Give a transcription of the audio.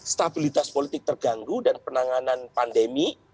stabilitas politik terganggu dan penanganan pandemi